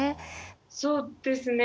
そうですね。